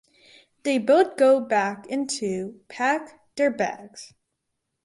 They both go back in to pack their bags.